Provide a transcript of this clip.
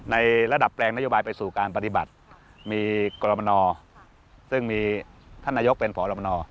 ในระดับแปลงนโยบายไปสู่การปฏิบัติมีกรมนซึ่งมีท่านนายกเป็นพรมน